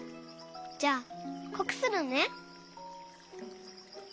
じゃあこくするね！